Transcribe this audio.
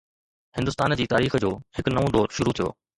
هندستان جي تاريخ جو هڪ نئون دور شروع ٿيو